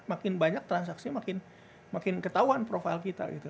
makin banyak transaksinya makin ketahuan profil kita gitu